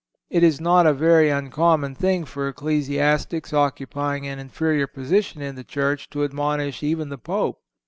It is not a very uncommon thing for ecclesiastics occupying an inferior position in the Church to admonish even the Pope.